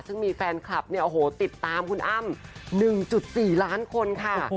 ซึ่งมีแฟนคลับเนี่ยโอ้โหติดตามคุณอ้ำ๑๔ล้านคนค่ะ